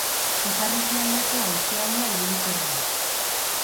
Ipar-ekialdeko haize ahula ibiliko da.